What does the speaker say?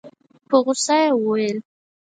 په غوسه يې وويل.